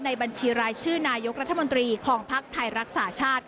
ในบัญชีรายชื่อนายกรัฐมนตรีของพลักภาคทายรักษาชาติค่ะ